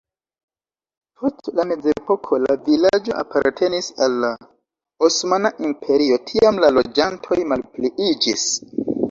Post la mezepoko la vilaĝo apartenis al la Osmana Imperio, tiam la loĝantoj malpliiĝis.